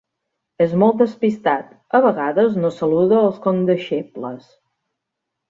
És molt despistat: a vegades no saluda els condeixebles.